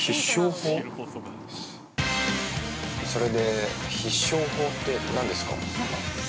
それで、必勝法って何ですか？